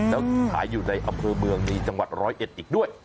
แล้วขายอยู่ในอำเภอเมืองมีจังหวัดร้อยเอ็ดอีกด้วย